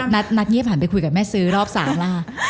นัดเยี่ยมผ่านไปคุยกับแม่ซื้อรอบสามล่ะ